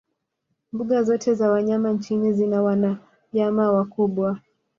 mbuga zote za wanyama nchini zina wanayama wakubwa